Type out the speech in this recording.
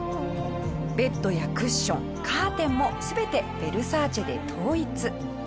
ベッドやクッションカーテンも全てヴェルサーチェで統一。